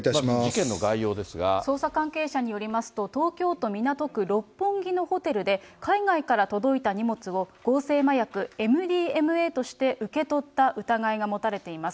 捜査関係者によりますと、東京都港区六本木のホテルで、海外から届いた荷物を、合成麻薬ＭＤＭＡとして受け取った疑いが持たれています。